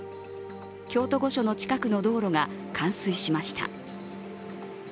京都御所の近くの道路が冠水しました。